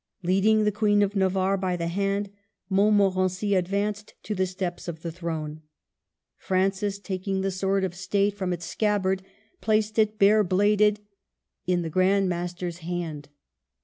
Leading the Queen of Navarre by the hand, Montmorency advanced to the steps of the throne. Francis, taking the sword of state 174 MARGARET OF ANGOUL^ME. from its scabbard, placed it, bare bladed, in the Grand Master's hand.